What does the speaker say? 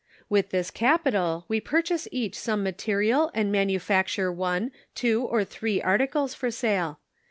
With this capital we purchase each some material and manufacture one, two or three articles for sale.